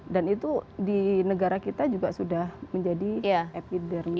dan itu di negara kita juga sudah menjadi epidermis